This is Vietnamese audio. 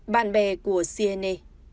bạn bè của siene